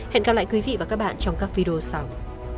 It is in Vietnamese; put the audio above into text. hẹn gặp lại quý vị và các bạn trong các video sau